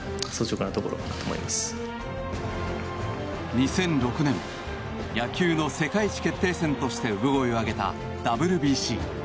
２００６年野球の世界一決定戦として産声を上げたＷＢＣ。